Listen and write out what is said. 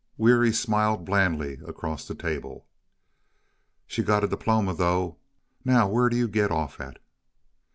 Weary smiled blandly across the table. "She got a diploma, though. Now where do you get off at?"